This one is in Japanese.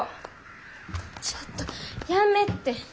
ちょっとやめって。